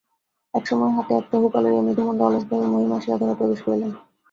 এমন সময় হাতে একটা হুঁকা লইয়া মৃদুমন্দ অলস ভাবে মহিম আসিয়া ঘরে প্রবেশ করিলেন।